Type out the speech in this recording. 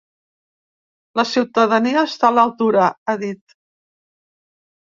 “La ciutadania està a l’altura”, ha dit.